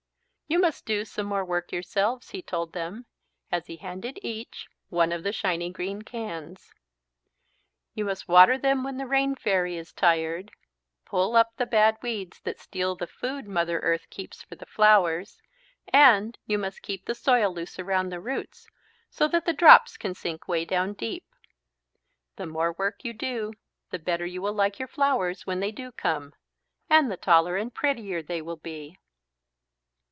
"You must do some more work, yourselves," he told them as he handed each one of the shiny green cans. "You must water them when the Rain fairy is tired, pull up the bad weeds that steal the food Mother Earth keeps for the flowers, and you must keep the soil loose around the roots, so that the drops can sink way down deep. The more work you do the better you will like your flowers when they do come. And the taller and prettier they will be."